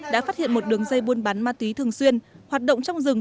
đã phát hiện một đường dây buôn bán ma túy thường xuyên hoạt động trong rừng